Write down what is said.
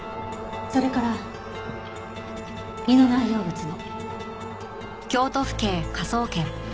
それから胃の内容物も。